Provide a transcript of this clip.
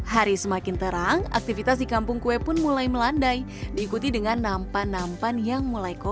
hari semakin terang aktivitas di kampung kue pun mulai melandai diikuti dengan nampan nampan yang mulai kosong